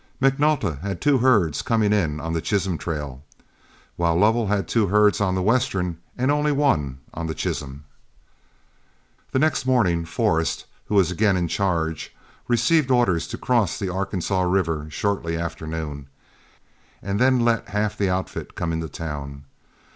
McNulta had two herds coming in on the Chisholm trail, while Lovell had two herds on the Western and only one on the Chisholm. The next morning Forrest, who was again in charge, received orders to cross the Arkansaw River shortly after noon, and then let half the outfit come into town.